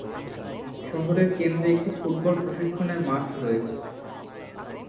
শহরের কেন্দ্রে একটি ফুটবল প্রশিক্ষণের মাঠ রয়েছে।